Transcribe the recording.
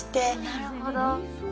なるほど。